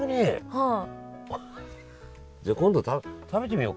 はい。